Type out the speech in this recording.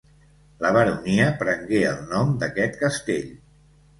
La baronia prengué el nom d'aquest castell.